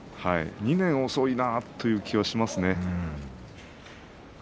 ２年遅いなという気がしますね。